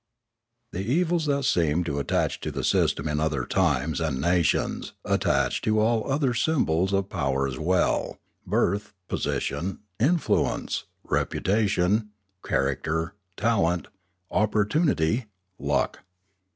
The evils that seemed to attach to the system in other times and nations attached to all other symbols of power as well: birth, position, influence, reputation, character, talent, opportunity, luck.